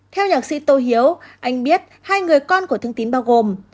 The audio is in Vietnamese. theo nhạc sĩ tô hiếu anh biết hai người con của thương tín bao gồm